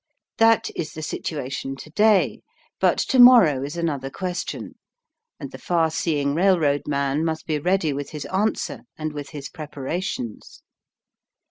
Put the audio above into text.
That is the situation to day, but to morrow is another question, and the far seeing railroad man must be ready with his answer and with his preparations.